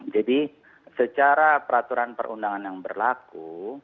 jadi secara peraturan perundangan yang berlaku